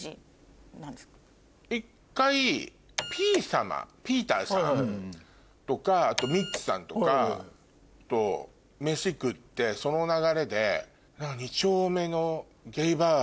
一回ピーさまピーターさんとかあとミッツさんとかと飯食ってその流れで。